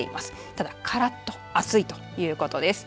ただ、からっと暑いということです。